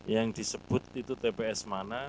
yang disebut itu tps mana